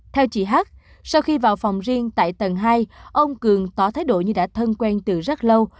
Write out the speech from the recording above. theo chị hát sau khi vào phòng riêng tại tầng hai ông cường tỏ thái độ như đã thân quen từ rất lâu